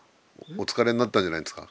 お疲れになったんじゃないですか？